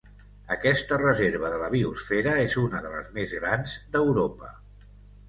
Aquesta reserva de la biosfera és una de les més grans d'Europa.